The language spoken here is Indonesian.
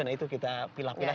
nah itu kita pilah pilah